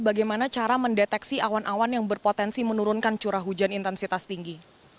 bagaimana cara mendeteksi awan awan yang berpotensi menurunkan curah hujan intensitas tinggi